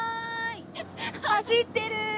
走ってる！